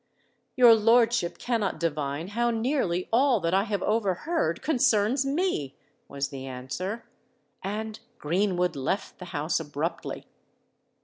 "Your lordship cannot divine how nearly all that I have overheard concerns me," was the answer. And Greenwood left the house abruptly.